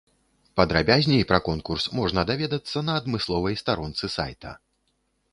Падрабязней пра конкурс можна даведацца на адмысловай старонцы сайта.